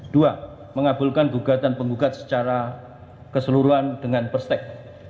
dua mengabulkan gugatan penggugat secara keseluruhan dengan perspek